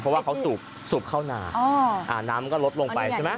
เพราะว่าเขาสูบเข้านาน้ำลดลงไป